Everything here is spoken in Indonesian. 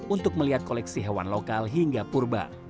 untuk melihat koleksi hewan lokal hingga purba